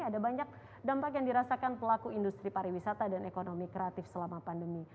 ada banyak dampak yang dirasakan pelaku industri pariwisata dan ekonomi kreatif selama pandemi